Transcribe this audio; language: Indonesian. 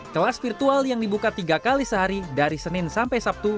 kelas virtual yang dibuka tiga kali sehari dari senin sampai sabtu